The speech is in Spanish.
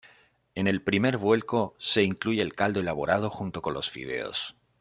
En el primer vuelco se incluye el caldo elaborado junto con los fideos.